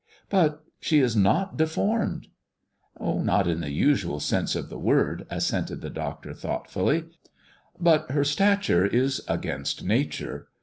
"But she is not deformed." "Not in the usual sense of the word," assented the doctor thoughtfully; "but her stature is against Nature.